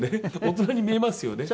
大人に見えますよね。